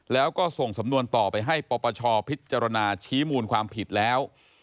แล้วก็ส่งสำนวนต่อไปให้ปปชพิจารณาชี้มูลความผิดแล้ว